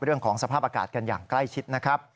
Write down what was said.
เรื่องของสภาพอากาศกันอย่างใกล้ชิดนะครับ